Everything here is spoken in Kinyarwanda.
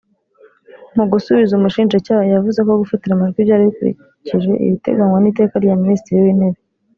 Mu gusubiza umushinjacyaha yavuze ko gufatira amajwi byari bikurikije ibiteganywa n’iteka rya Minisitiri w’Intebe